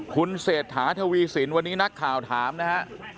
คุณเศรษฐาทวีสินวันนี้นักข่าวถามนะฮะ